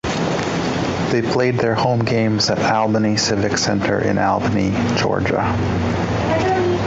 They played their home games at Albany Civic Center in Albany, Georgia.